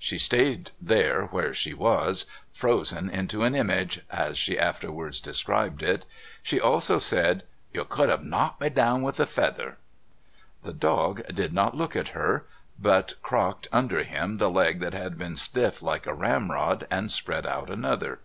She stayed there where she was, "frozen into an image," as she afterwards described it. She also said: "You could 'ave knocked me down with a feather." The dog did not look at her, but crocked under him the leg that had been stiff like a ramrod and spread out another.